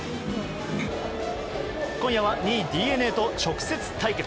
今夜は２位、ＤｅＮＡと直接対決。